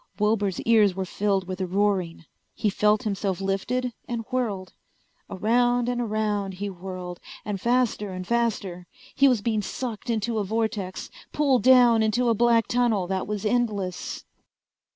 Wilbur's ears were filled with a roaring. He felt himself lifted and whirled. Around and around he whirled, and faster and faster. He was being sucked into a vortex, pulled down into a black tunnel that was endless.